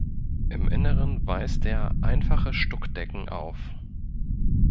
Im Inneren weist er einfache Stuckdecken auf.